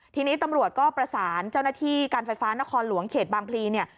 ทีนี้ตำรวจก็ประสานเจ้าหน้าที่การไฟฟ้านครหลวงเขตบางพลีเนี่ย